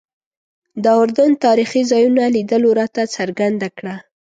د اردن تاریخي ځایونو لیدلو راته څرګنده کړه.